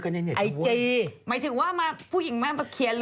หมายถึงว่าผู้หญิงมาเขียนหรืออีน็อตไปเขียน